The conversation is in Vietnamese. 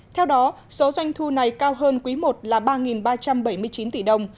theo đó số doanh thu này cao hơn quý i là ba ba trăm bảy mươi chín tỷ đồng